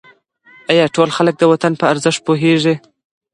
آیا ټول خلک د وطن په ارزښت پوهېږي؟